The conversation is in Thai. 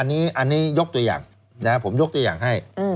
อันนี้อันนี้ยกตัวอย่างนะฮะผมยกตัวอย่างให้อืม